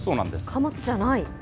貨物じゃない？